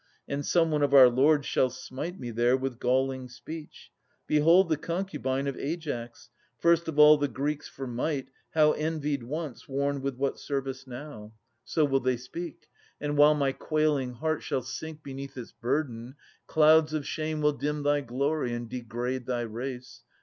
And some one of our lords shall smite me there With galling speech : Behold the concubine Of Aias, first of all the Greeks for might. How envied once, worn with what service now ! 504 535] Aias 71 So will they speak ; and while my quailing heart Shall sink beneath its burden, clouds of shame Will dim thy glory and degrade thy race.